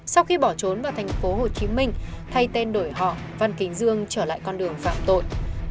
sau khi bỏ trốn vào thành phố hồ chí minh thay tên đổi họ văn kính dương trở lại con đường phạm tội